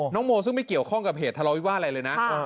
โมซึ่งไม่เกี่ยวข้องกับเหตุทะเลาวิวาสอะไรเลยนะ